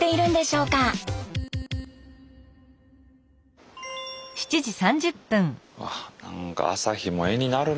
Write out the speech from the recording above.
うわ何か朝日も絵になるな。